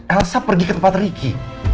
elsa pergi ke tempat riki